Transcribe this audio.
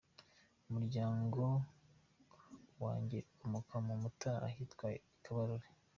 Umuryango wanjye ukomoka mu Mutara ahitwa i Kabarore.